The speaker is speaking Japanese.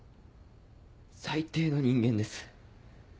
最低の人間です。